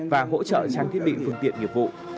và hỗ trợ trang thiết bị phương tiện nghiệp vụ